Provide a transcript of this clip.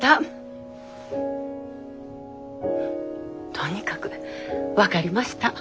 とにかく分かりました。